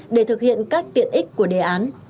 để thực hiện các tiện ích của đề án